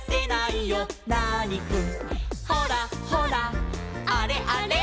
「ほらほらあれあれ」